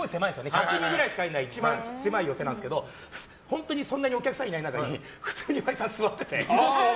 １００人ぐらいしか入らない一番狭い寄席なんですが本当にそんなにお客さんいない中に普通に岩井さんが座ってて。